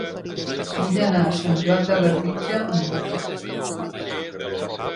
Vull anar a Sant Joan de Labritja amb moto.